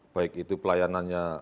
baik itu pelayanannya